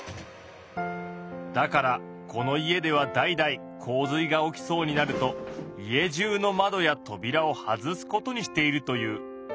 だからこの家では代々洪水が起きそうになると家じゅうの窓やとびらを外すことにしているという。